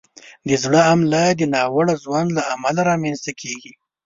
د زړه حمله د ناوړه ژوند له امله رامنځته کېږي.